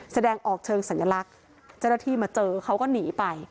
แสดงออกเชิงสัญลักษณ์เจ้าหน้าที่มาเจอเขาก็หนีไป